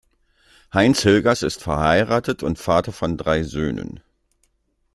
Heinz Hilgers ist verheiratet und Vater von drei Söhnen.